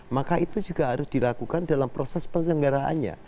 maka itu juga harus dilakukan dalam proses penyelenggaraannya